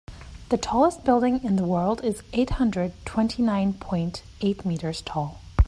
The tallest building in the world is eight hundred twenty nine point eight meters tall.